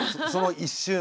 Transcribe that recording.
その一瞬。